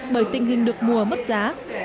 bởi tình hình được mùa mất giá